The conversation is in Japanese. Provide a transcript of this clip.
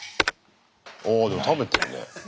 おでも食べてるね。